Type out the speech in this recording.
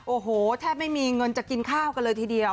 โอ้โหแทบไม่มีเงินจะกินข้าวกันเลยทีเดียว